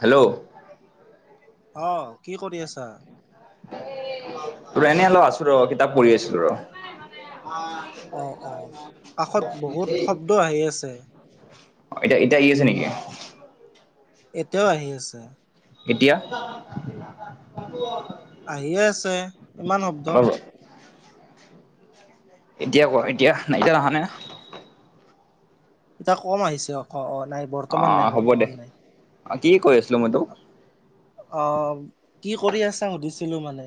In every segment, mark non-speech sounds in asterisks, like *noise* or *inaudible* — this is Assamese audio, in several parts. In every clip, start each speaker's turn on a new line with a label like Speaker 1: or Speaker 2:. Speaker 1: হেল্ল'
Speaker 2: অ কি কৰি আছা?
Speaker 1: এনেই অলপ আছো ৰ কিতাপ পঢ়ি আছিলো ৰ
Speaker 2: সেই
Speaker 1: আমাৰ কেতিয়াবা কেতিয়াবা ইমান
Speaker 2: বহুত
Speaker 1: নুঠেই
Speaker 2: শব্দ
Speaker 1: অ
Speaker 2: আহি আছে
Speaker 1: এতিয়া এতিয়া আহি আছে নেকি
Speaker 2: এতিয়াও আহি আছে
Speaker 1: এতিয়া
Speaker 2: আহিয়ে আছে ইমান শব্দ
Speaker 1: অলপ এতিয়া কোৱা এতিয়া এতিয়া আহা নাই ন
Speaker 2: এতিয়া কম আহিছে অ অ নাই
Speaker 1: অ
Speaker 2: বৰ্তমান নাই
Speaker 1: হ'ব দে
Speaker 2: বৰ্তমান নাই
Speaker 1: অ কি কৈ আছিলো মই তোক
Speaker 2: অ কি কৰি আছা সুধিছিলো মানে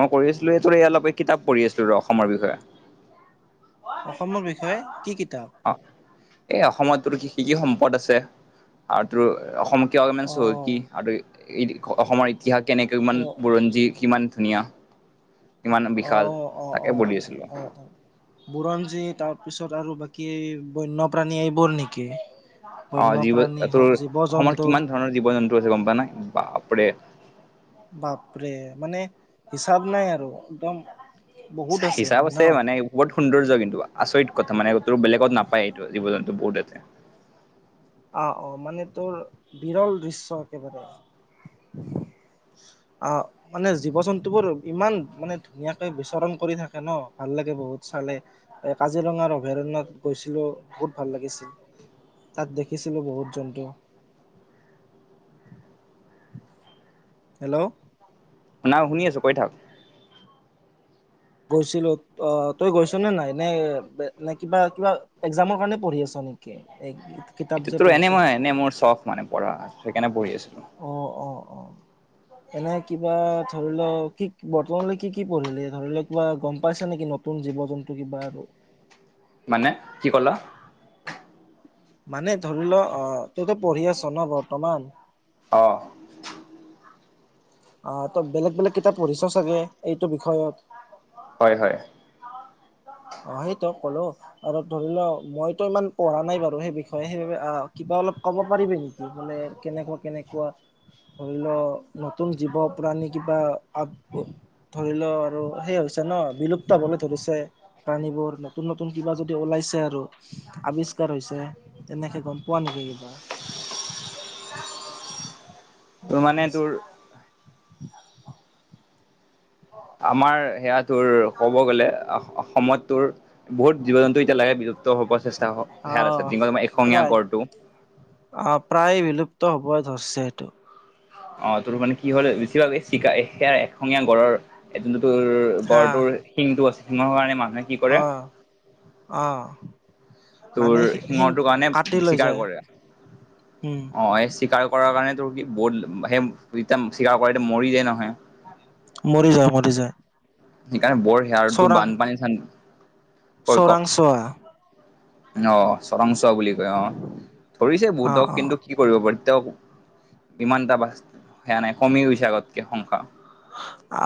Speaker 1: মই কৰি আছিলো এইটোৰে ইয়াৰ অলপ কিতাপ পঢ়ি আছিলা ৰ অসমৰ বিষয়ে
Speaker 2: অসমৰ বিষয়ে কি কিতাপ
Speaker 1: অ এই অসমত তোৰ কি কি কি সম্পদ আছে আৰু তোৰ অসম কিয় ইমান
Speaker 2: অ
Speaker 1: চহকী আৰু ই অসমৰ ইয়াত কেনেকৈ
Speaker 2: অ
Speaker 1: ইমান বুৰঞ্জী কিমান ধুনীয়া কিমান
Speaker 2: অ
Speaker 1: বিশাল
Speaker 2: অ
Speaker 1: তাকে
Speaker 2: অ
Speaker 1: পঢ়ি
Speaker 2: অ
Speaker 1: আছিলো
Speaker 2: অ অ বুৰঞ্জী তাৰ পিছত আৰু বাকী বন্যপ্ৰাণী এইবোৰ নেকি
Speaker 1: অ জীৱ
Speaker 2: বন্যপ্ৰাণী
Speaker 1: তোৰ
Speaker 2: হওক জীৱ
Speaker 1: অসমত
Speaker 2: জন্তু
Speaker 1: কিমান ধৰণৰ জীৱ জন্তু আছে গম পোৱানে বাপৰে
Speaker 2: বাপৰে মানে হিচাপ নাই আৰু একদম
Speaker 1: হিচাপ আছে মানে বহুত সৌন্দৰ্য কিন্তু আচৰিত কথা মানে তোৰ বেলেগত নাপায় এইটো জীৱ জন্তু বহুত লেতেৰা
Speaker 2: অ অ মানে তোৰ বিৰল দৃশ্য একেবাৰে অ মানে জীৱ জন্তু বোৰ ইমান মানে ধুনীয়াকে বিচৰণ কৰি থাকে ন ভাল লাগে বহুত চালে এ কাজিৰঙাৰ অভয়াৰণ্যত গৈছিলো বহুত ভাল লাগিছিল তাত দেখি ছিলো বহুত জন্তু হেল্ল'
Speaker 1: নাই শুনি আছো কৈ থাকক
Speaker 2: গৈছিলো অ তই গৈছ নে নাই নে নে কিবা কিবা একজামৰ কাৰণে পঢ়ি আছ নেকি এক গীত
Speaker 1: এটো তোৰ এনে মই এনে মোৰ চখ মানে পঢ়া সেইকাৰণে পঢ়ি আছিলো
Speaker 2: অ অ অ এনে কিবা ধৰি লওক কি বৰ্তমানলৈ কি কি পঢ়িলে ধৰি লওক কিবা গম পাইছা নেকি নতুন জীৱ জন্তু কিবা আৰু
Speaker 1: মানে কি ক'লহ
Speaker 2: মানে ধৰি লহ তইতো পঢ়ি আছ ন বৰ্তমান
Speaker 1: অ
Speaker 2: অ ত বেলেগ বেলেগ কিতাপ পঢ়িছ চাগে এইটো বিষয়ত
Speaker 1: হয় হয়
Speaker 2: অ সেইটো কলো আৰু ধৰিলোৱা মইতো ইমান পঢ়া নাই বাৰু সেই বিষয়ে সেইবাবে কিবা অলপ ক'ব পাৰিবি নি কি মানে কেনেকুৱা কেনেকুৱা ধৰি ল নতুন জীৱ প্ৰাণী কিবা আগ ব ধৰি ল আৰু সেই হৈছে ন বিলুপ্ত হবলে ধৰিছে প্ৰানীবোৰ নতুন নতুন কিবা যদি ওলাইছে আৰু আৱিষ্কাৰ হৈছে তেনেকে গম পোৱা নেকি কিবা
Speaker 1: তোৰ মানে তোৰ
Speaker 2: অ
Speaker 1: আমাৰ হেয়াটো ক'ব গ'লে অসমত টোৰ বহুত জীৱ জন্তু এতিয়া লাগে বিলুপ্ত হব চেষ্টা হেয়াত
Speaker 2: আহ
Speaker 1: আছে যিংগল মই এশিঙীয়া গড়টো
Speaker 2: অ প্ৰায় বিলুপ্ত হব ধৰিছে এইটো
Speaker 1: অ তোৰ মানে কি হ'ল বেছিভাগ এই চিকা সেয়াৰে এখঙীয়া গড়ৰ এ যোনটো তোৰ গড়টোৰ শিংটো আছে শিঙৰ কাৰণে মা
Speaker 2: হ অহ
Speaker 1: তোৰ শিঙৰ টোৰ কাৰণে
Speaker 2: লৈ
Speaker 1: চিকাৰ
Speaker 2: যায়
Speaker 1: কৰে
Speaker 2: উম
Speaker 1: অ এই চিকাৰ কৰাৰ কাৰণে তোৰ কি ব সেইয়া তিতাম চিকাৰ কৰে মৰি যায় নহয়
Speaker 2: মৰি যায় মৰি যায়
Speaker 1: সেইকাৰণে বৰ সোৰতো বানপানী চান কৈ ক
Speaker 2: চৰাংচোৱা
Speaker 1: অ চৰংচোৱা বুলি কয় অ ধৰিছে
Speaker 2: অ
Speaker 1: বহুতক
Speaker 2: অ
Speaker 1: কিন্তু কি কৰিব পাৰি তেওঁ ইমান এটা বা সেয়া নাই কমি গৈছে আগতকে সংখ্যা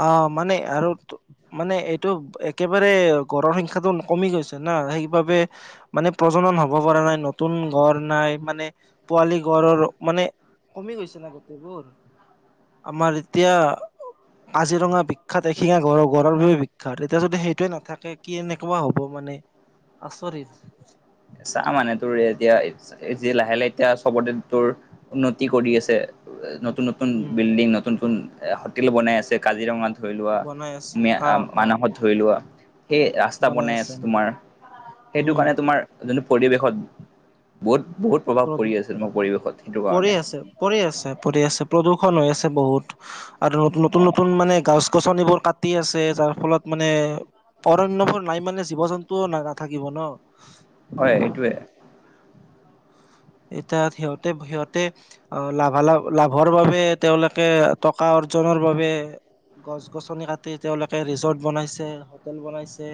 Speaker 2: অ মানে আৰু তো মানে এইটো একেবাৰে গঁড়ৰ সংখ্যাটো কমি গৈছে না সেইবাবে মানে প্ৰজনন হ'ব পৰা নাই নতুন গড় নাই মানে পোৱালি গড়ৰ মানে কমি গৈছে ন গোটেইবোৰ আমাৰ এতিয়া কাজিৰঙা বিখ্যাত এশিঙীয়া গঁড়ৰ গড়ৰ বাবে বিখ্যাত এতিয়া যদি সেইটোৱে নাথাকে কি এনেকুৱা হ'ব মানে আছৰিত
Speaker 1: চাহ মানে তোৰ এতিয়া যি লাহে লাহে এতিয়া চবতে তোৰ উন্নতি কৰি আছে নতুন নতুন নতুন
Speaker 2: উম
Speaker 1: বিল্ডিং নতুন নতুন হোটেল বনাই আছে কাজিৰঙাত ধৰি লোৱা
Speaker 2: বনাই আছে
Speaker 1: মে
Speaker 2: অ অ
Speaker 1: মানহত ধৰি লোৱা সেই ৰাস্তা বনাই আছে তোমাৰ সেইটো কাৰণে তোমাৰ যোনটো পৰিৱেশত বহুত বহুত প্ৰভাৱ পৰি
Speaker 2: উম
Speaker 1: আছিল মোৰ পৰিৱেশত সেইটো
Speaker 2: পৰি
Speaker 1: কাৰণে
Speaker 2: আছে পৰি আছে পৰি আছে প্ৰদূষণ হৈ আছে বহুত আৰু নতুন
Speaker 1: অ
Speaker 2: নতুন নতুন মানে গাছ গছনিবোৰ কাটি আছে যাৰ ফলত মানে অৰণ্যবোৰ নাই মানে জীৱ জন্তুও না নাথাকিব ন
Speaker 1: হয় এইটোৱে।
Speaker 2: এতিয়া সিহঁতে সিহঁতে অ লাভালাভ লাভৰ বাবে তেওঁলোকে টকা অৰ্জনৰ বাবে গছ গছনি কাটি তেওঁলোকে ৰিজৰ্ট বনাইছে হোটেল বনাইছে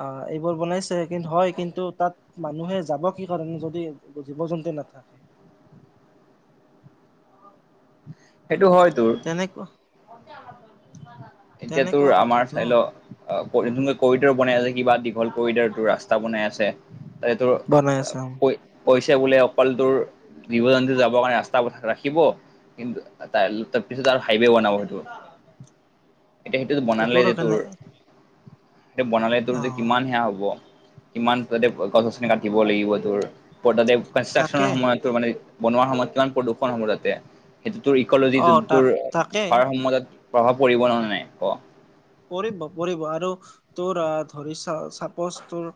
Speaker 2: অ এইবোৰ বনাইছে কিন্তু হয় কিন্তু তাত মানুহে যাব কি কাৰণ যদি জীৱ জন্তু নাথাকে
Speaker 1: সেইটো হয় তোৰ
Speaker 2: তেনেক
Speaker 1: এতিয়া তোৰ আমাৰ চাই ল অঁ কৰিড ন কৰিডৰ বনাই আছে কিবা দীঘল কৰিডৰটো ৰাস্তা বনাই আছে ত টো
Speaker 2: বনাই আছে অ
Speaker 1: কৈ কৈছে বোলে অকল তোৰ জীৱ জন্তু যাবৰ কাৰণে ৰাস্তা পথ ৰাখিব কিন্তু ত তাৰ পিছত আৰু হাইৱে বনাব সেইটো এতিয়া সেইটোতো বনালে
Speaker 2: এইটোৰ
Speaker 1: যে তোৰ
Speaker 2: কাৰণে
Speaker 1: বনালে
Speaker 2: অ
Speaker 1: ত'ৰযে কিমান সেয়া হব কিমান তাতে গছ গছনি কা টিব লাগিব তোৰ তাতে কনষ্ট্ৰাকচন
Speaker 2: তাকে
Speaker 1: সময়ত টো মানে বনোৱাৰ সময়ত কিমান প্ৰদূষণ হ'ব তাতে সেইটো তোৰ ইকলজি
Speaker 2: অ
Speaker 1: যুন
Speaker 2: তাক
Speaker 1: তোৰ
Speaker 2: তাকে
Speaker 1: ভাৰ সমাজত প্ৰভাৱ পৰিব নহ নাই ক
Speaker 2: পৰিব পৰিব আৰু তোৰ ধৰি চ চাপজ তোৰ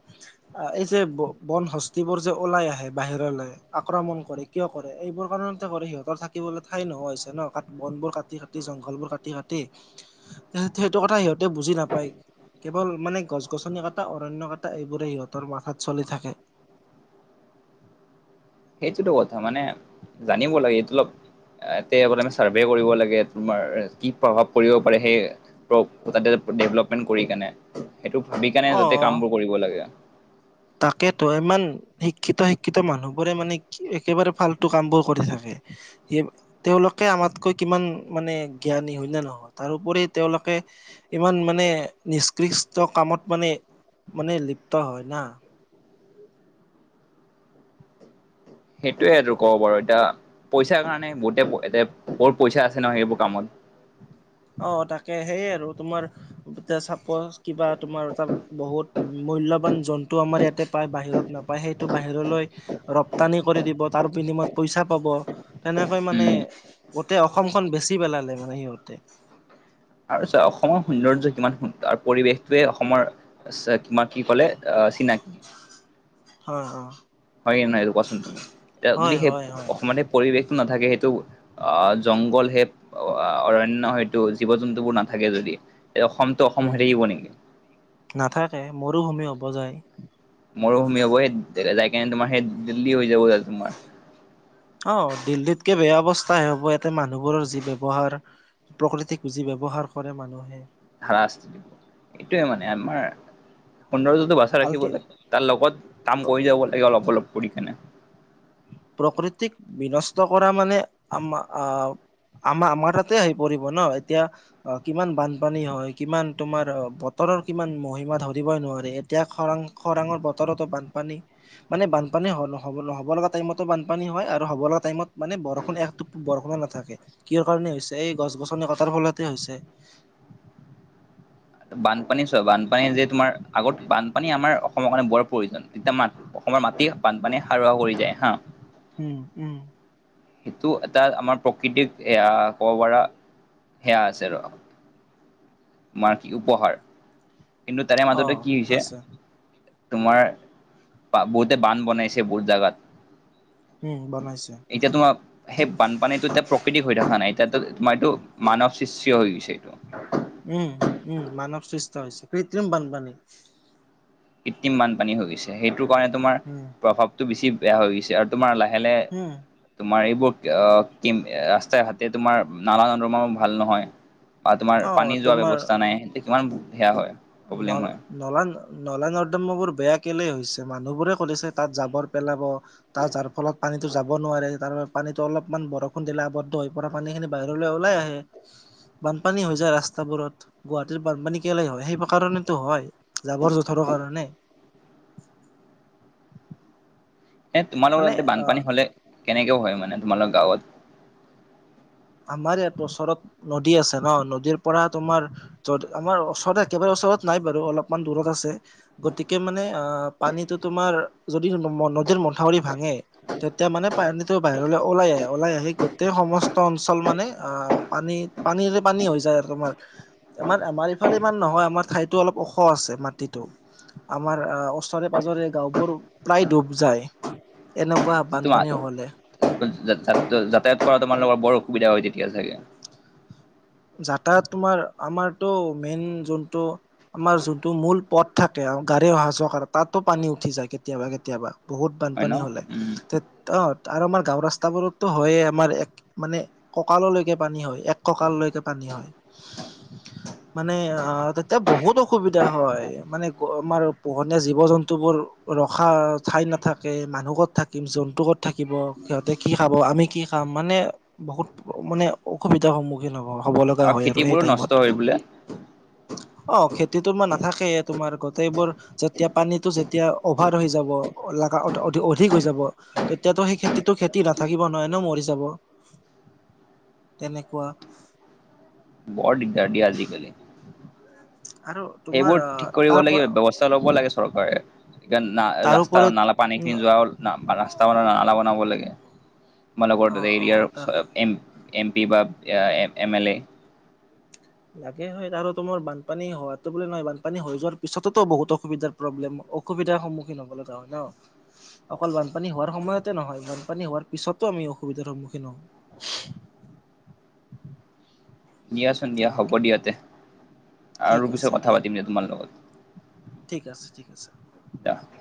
Speaker 2: এই যে ব বন হস্তিবোৰ যে ওলাই আহে বাহিৰলৈ আক্ৰমণ কৰি কিয় কৰে এইবোৰ কাৰণতে কৰে সিহঁতৰ থাকিবলৈ ঠাই নোহোৱা হৈছে ন ক বনবোৰ কাটি কাটি জংঘলবোৰ কাটি কাটি সেইটো কথা সিহঁতে বুজি নাপায় কেৱল মানে গছ গছনি কা টা অৰণ্য কাটা এইবোৰে সিহঁতৰ মাথাত চলি থাকে
Speaker 1: সেইটোতো কথা মানে জানিব লাগে এইটো অলপ এ তে ছাৰ্ভে কৰিব লাগে তোমাৰ কি প্ৰভাৱ পৰিব পাৰে সেই প্ৰ তাতে ডেভেলপমেণ্ট কৰি কেনে সেইটো ভাবি কেনে যাতে কাম
Speaker 2: অ
Speaker 1: বোৰ কৰিব লাগে
Speaker 2: তাকেতো ইমান শিক্ষিত শিক্ষিত মানুহ বোৰে মানে একেবাৰে ফাল্তু কাম বোৰ কৰি থাকে স তেওঁলোকে আমাতকৈ কিমান মানে জ্ঞানী হয় নে নহয় তাৰোপৰি তেওঁলোকে ইমান মানে নিষ্কৃষ্ট কামত মানে মানে লিপ্ত হয় না
Speaker 1: সেইটোয়ে আৰু কব পাৰো এতিয়া পইচাৰ কাৰণে বহুতে এ তে বহত পইচা আছে ন সেইবোৰ কামত
Speaker 2: অ তাকে সেইয়ে আৰু তোমাৰ এ চাপস কিবা তোমাৰ বহুত মূল্যবান জন্তু আমাৰ ইয়াতে পায় বাহিৰত নাপায় সেইটো বাহিৰলৈ ৰপ প্তানি কৰি দিব তাৰ বিনিময়ত পইচা পাব তেনেকৈ মানে
Speaker 1: উম
Speaker 2: গোটে অস অসমখন বেছি পেলালে মানে সিহঁতে
Speaker 1: আৰু চা অসমৰ সৌন্দৰ্য কিমান সুন্দৰ আৰু পৰিৱেশটোৱে অসমৰ চ কিমান কি কলে অ চিনাকি
Speaker 2: হয় অ
Speaker 1: হয় নহয় এইটো কোৱাচোন তুমি এতিয়া যদি
Speaker 2: হয়
Speaker 1: সেই
Speaker 2: হয় হয়
Speaker 1: অসমত পৰিৱেশটো নাথাকে সেইটো আহ জংঘল সেই আহ অৰণ্য হয়তো জীৱ জন্তুবোৰ নাথাকে যদি এ অসম টো অসম
Speaker 2: উম
Speaker 1: হৈ থাকিব নেকি
Speaker 2: নাথাকে মৰুভূমি হবজায়
Speaker 1: মৰুভূমি হব সেই যাই কাৰনে তোমাৰ সেই দিল্লী হৈ যাব তাতে তোমাৰ
Speaker 2: অ দিল্লীতকে বেয়া অৱস্থাহে হ'ব ইয়াতে মানুহবোৰৰ যি ব্যৱহাৰ প্ৰকৃতিক পুঁজি ব্যৱহাৰ কৰে মানুহে
Speaker 1: ধাৰাচ *unintelligible* এইটোৱেই মানে আমাৰ সৌন্দৰ্যটো বাচাই
Speaker 2: আল্টি
Speaker 1: ৰাখিবলৈ তাৰ লগত কাম কৰি যাব লাগে অলপ-অলপ কৰি কেনে। *unintelligible*
Speaker 2: প্ৰকৃতিক বিনষ্ট কৰা মানে আমা আহ *unintelligible* আমাৰ-আমাৰ তাতে আহি পৰিব ন। এতিয়া *inaudible* অ কিমান বানপানী হয়, কিমান তোমাৰ অ বতৰৰ কিমান মহিমা ধৰিবই নোৱাৰি। *unintelligible* এতিয়া খৰাং খৰাঙৰ বতৰতো বানপানী। মানে বানপানী হ'ব নহ'ব লগা টাইমত *inaudible* বানপানী হয় আৰু হ'ব লগা টাইমত মানে বৰষুণে এক বৰষুণে নাথাকে *unintelligible* কিহৰ কাৰণে হৈছে এই গছ-গছনি কটাৰ ফলতে হৈছে। *inaudible*
Speaker 1: বানপানী চোৱা বানপানী যে তোমাৰ আগত বানপানী আমাৰ অসমৰ কাৰণে বৰ প্ৰয়োজন। *unintelligible* এতিয়া মাত *unintelligible* অসমৰ মাটি বানপানীয়ে সাৰুৱা কৰি যায় হা। *inaudible*
Speaker 2: উম-উম *inaudible*
Speaker 1: সেইটো এটা আমাৰ প্ৰকৃতিক এয়া ক'ব পাৰা সেয়া আছে আৰু। *unintelligible* তোমাৰ কি উপহাৰ কিন্তু তাৰে
Speaker 2: অ
Speaker 1: মাজতে কি হৈছে
Speaker 2: আছে
Speaker 1: *unintelligible* তোমাৰ *unintelligible* বহুতে বান বনাইছে বহুত জেগাত।
Speaker 2: উম! বনাইছে। *inaudible*
Speaker 1: এতিয়া তোমাৰ সেই বানপানীতো এতিয়া প্ৰকৃতিক হৈ থকা নাই এতিয়াতো *unintelligible* তোমাৰ এইটো মানৱ সৃষ্টি হৈ গৈছে এইটো। *unintelligible*
Speaker 2: উম-উম! মানৱ সৃষ্ট হৈছে কৃত্ৰিম বানপানী। *inaudible*
Speaker 1: কৃত্ৰিম বানপানী হৈ গৈছে, সেইটোৰ কাৰণে তোমাৰ
Speaker 2: উম
Speaker 1: প্ৰভাৱটো বেছি বেয়া হৈ গৈছে, আৰু। *inaudible* তোমাৰ লাহে-লাহে
Speaker 2: উম
Speaker 1: *unintelligible* তোমাৰ এইবোৰ *unintelligible* কি ৰাস্তাই ঘাটে তোমাৰ নালা-নৰ্দমাও ভাল নহয়। বা তোমাৰ
Speaker 2: অ
Speaker 1: পানী যোৱা
Speaker 2: তোমাৰ
Speaker 1: ব্যৱস্থা নাই, সেইটো কিমান বেয়া হয়। *unintelligible*
Speaker 2: নল
Speaker 1: হয়।
Speaker 2: *inaudible* নলা *unintelligible* নলা-নৰ্দমাবোৰ বেয়া কেলেই হৈছে মানুহবোৰে কৰিছে তাত জাবৰ পেলাব *unintelligible* তাৰ যাৰ ফলত পানীতো যাব নোৱাৰে, তাৰ বাবে পানীতো অলপমান বৰষুণ দিলে আৱদ্ধ হৈ পৰা *inaudible* পানীখিনি বাহিৰলৈ ওলাই আহে। *inaudible* বানপানী হৈ যায় ৰাস্তাবোৰত। গুৱাহাটীত বানপানী কেলেই হয় সেই *unintelligible* কাৰণেটো হয়, জাবৰ-জোথৰৰ কাৰণে। *inaudible*
Speaker 1: এ তোমালোকৰ
Speaker 2: মানে
Speaker 1: তাতে
Speaker 2: অ
Speaker 1: বানপানী হ'লে কেনেকেও হয় মানে তোমালোকৰ গাঁৱত? *unintelligible*
Speaker 2: আমাৰ ইয়াত ওচৰত নদী আছে ন, নদীৰ পৰা তোমাৰ *inaudible* য'ত আমাৰ ওচৰতে একেবাৰে ওচৰত নাই বাৰু অলপমান দূৰত আছে। *unintelligible* গতিকে মানে আহ পানীটো তোমাৰ *unintelligible* যদি *unintelligible* নদীৰ মথাউৰি ভাঙে, তেতিয়া মানে পানীটো বাহিৰলৈ ওলাই আহে, ওলাই আহি গোটেই সমষ্ট *inaudible* সমস্ত অঞ্চল মানে আহ পানী-পানীৰে পানী হৈ যায় আৰু তোমাৰ। *unintelligible* আমাৰ-আমাৰ এইফালে ইমান নহয় আমাৰ ঠাইতো অলপ ওখ আছে, মাটিটো। *inaudible* আমাৰ আহ ওচৰে-পাজৰে গাঁওবোৰ প্ৰায় ডুব যায়। *inaudible* এনেকুৱা
Speaker 1: তোমাৰ
Speaker 2: বানপানী হ'লে *inaudible*
Speaker 1: *unintelligible* যাতায়াত কৰা তোমালোকৰ বৰ অসুবিধা হয় তেতিয়া চাগে?
Speaker 2: যাতায়াত তোমাৰ আমাৰটো মেইন যোনটো *unintelligible* আমাৰ যোনটো মূল পথ থাকে, গা়ড়ী অহা-যোৱা কৰা তাতো পানী উঠি যায় কেতিয়াবা-কেতিয়াবা। *unintelligible* বহুত
Speaker 1: হয় ন
Speaker 2: বানপানী হলে
Speaker 1: উম
Speaker 2: তে *unintelligible* *unintelligible* অঁ আৰু আমাৰ গাঁও ৰাস্তাবোৰতো হয়ে আমাৰ এক মানে কঁকাললৈকে পানী হয়। এক কঁকাললৈকে পানী হয়। মানে অঁ তেতিয়া বহুত *unintelligible* *inaudible* অসুবিধা হয় মানে *unintelligible* আমাৰ পোহনীয়া জীৱ-জন্তুবোৰ ৰখা ঠাই নাথাকে, মানুহত থাকিম জন্তু ক'ত থাকিব, সিহঁতে কি খাব, আমি কি খাম। মানে বহুত মানে অসুবিধাৰ সন্মুখীন হ'ব হ'ব লগা হয় আৰু এই
Speaker 1: খেতিবোৰো নষ্ট
Speaker 2: টাইমত।
Speaker 1: হৈ বোলে
Speaker 2: অঁ খেতি তোমাৰ নাথাকেই তোমাৰ গোটেইবোৰ যেতিয়া পানীটো যেতিয়া অভাৰ হৈ যাব অধিক হৈ যাব তেতিয়াতো সেই খেতিতো খেতি নাথাকিব নহয় ন মৰি যাব তেনেকুৱা।
Speaker 1: বৰ দিগদাৰ দেই আজিকালি।
Speaker 2: আৰু তোমাৰ
Speaker 1: এইবোৰ ঠিক
Speaker 2: আহ
Speaker 1: কৰিব
Speaker 2: তাৰ
Speaker 1: লাগিব ব্যৱ স্থা ল'ব লাগে চৰকাৰে ৰাস্তা
Speaker 2: তাৰোপৰি
Speaker 1: নালা পানী
Speaker 2: উম
Speaker 1: খিনি যোৱা ন ৰাস্তাৰ নালা ডাঙৰ ডাঙৰ বনাব লাগে মানে
Speaker 2: অ
Speaker 1: ঘৰটোৰ
Speaker 2: অ তাক
Speaker 1: এৰিয়াৰ এম এম পি বা এম এল এ
Speaker 2: লাগে হয় ত' আৰু তোমাৰ বানপানী হোৱাতো বোলে নহয় বানপানী হৈ যোৱাৰ পিছততো বহুত অসুবিধাৰ প্ৰব্লেম অসুবিধাৰ সন্মুখীন হ'ব লগা হয় ন। অকল বানপানী হোৱাৰ সময়তে নহয় বানপানী হোৱাৰ পিছতো আমি অসুবিধাৰ সন্মুখীন হওঁ।
Speaker 1: দিয়াচোন দিয়া হ'ব
Speaker 2: তেনেকে
Speaker 1: দিয়াতে,
Speaker 2: ঠিক
Speaker 1: আৰু পিছত
Speaker 2: আছে
Speaker 1: কথা পাতিম দিয়া তোমাৰ লগত।
Speaker 2: ঠিক আছে ঠিক আছে।
Speaker 1: *unintelligible*